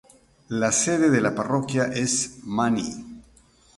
La sede de la parroquia es Many.